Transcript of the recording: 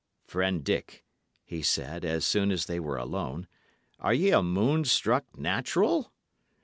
"Friend Dick," he said, as soon as they were alone, "are ye a moon struck natural?